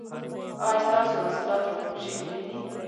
ایا ستاسو حاصلات راټول شوي نه دي؟